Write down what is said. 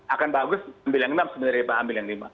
akan bagus ambil yang enam sebenarnya pak ambil yang lima